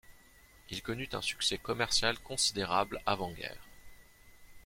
Il connut un succès commercial considérable avant-guerre.